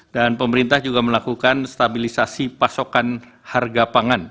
dan pemerintah juga melakukan stabilisasi pasokan harga pangan